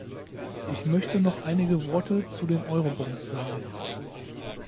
Ich möchte noch einige Worte zu den Eurobonds sagen.